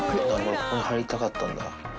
ここに入りたかったんだ。